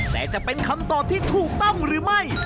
แต่จะเป็นคำตอบที่ถูกต้องหรือไม่